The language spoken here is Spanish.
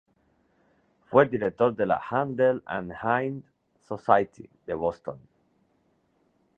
Fue director de la "Handel and Haydn Society" de Boston.